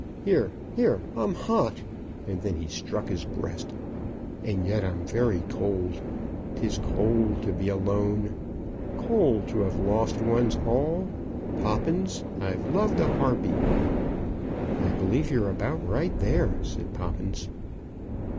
Here, here I'm hot." And then he struck his breast. "And yet I'm very cold. 'Tis cold to be alone; cold to have lost one's all. Poppins, I've loved a harpy." "I believe you're about right there," said Poppins.